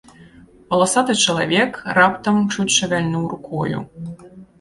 Валасаты чалавек раптам чуць шавяльнуў рукою.